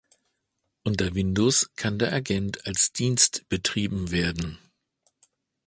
Unter Windows kann der Agent als Dienst betrieben werden.